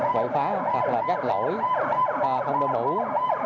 quậy phá hoặc là các lỗi không đồng bụi